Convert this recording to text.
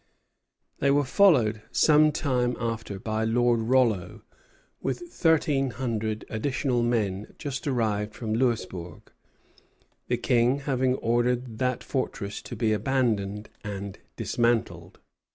They were followed some time after by Lord Rollo, with thirteen hundred additional men just arrived from Louisbourg, the King having ordered that fortress to be abandoned and dismantled.